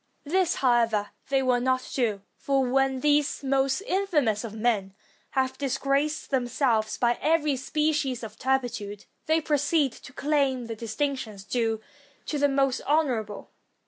This, however, they will not do ; for when these most infamous of men have dis graced themselves by every species of turpitude, they proceed to claim the distinctions due to the most honor able.